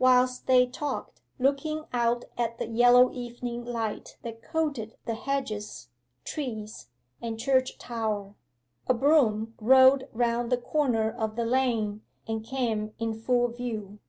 Whilst they talked, looking out at the yellow evening light that coated the hedges, trees, and church tower, a brougham rolled round the corner of the lane, and came in full view.